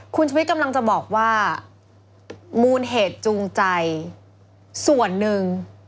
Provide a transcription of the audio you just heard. คุณชุวิตกำลังจะบอกว่ามูลเหตุจูงใจส่วนหนึ่ง